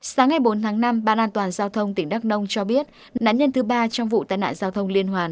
sáng ngày bốn tháng năm ban an toàn giao thông tỉnh đắk nông cho biết nạn nhân thứ ba trong vụ tai nạn giao thông liên hoàn